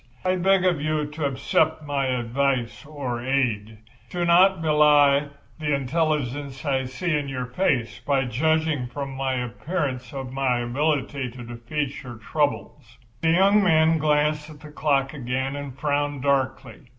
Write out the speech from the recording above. I beg of you to accept my advice or aid. Do not belie the intelligence I see in your face by judging from my appearance of my ability to defeat your troubles." The young man glanced at the clock again and frowned darkly.